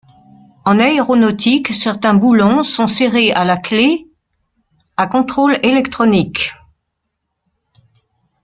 En aéronautique, certains boulons sont serrés à la clef à contrôle électronique.